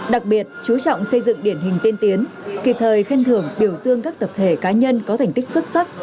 đặc biệt chú trọng xây dựng điển hình tiên tiến kịp thời khen thưởng biểu dương các tập thể cá nhân có thành tích xuất sắc